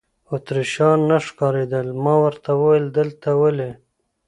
اتریشیان نه ښکارېدل، ما ورته وویل: دلته ولې.